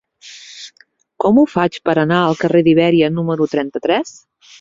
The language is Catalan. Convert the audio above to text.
Com ho faig per anar al carrer d'Ibèria número trenta-tres?